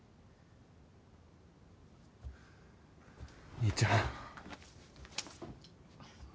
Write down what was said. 兄ちゃん。